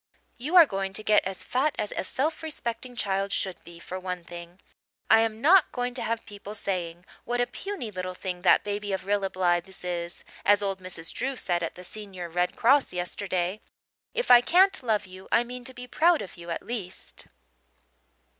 You are going to get as fat as a self respecting child should be, for one thing. I am not going to have people saying 'what a puny little thing that baby of Rilla Blythe's is' as old Mrs. Drew said at the senior Red Cross yesterday. If I can't love you I mean to be proud of you at least."